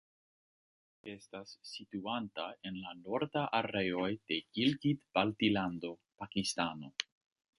Ĝi estas situanta en la Nordaj Areoj de Gilgit-Baltilando, Pakistano.